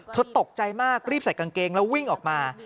ตกใจมากรีบใส่กางเกงแล้ววิ่งออกมา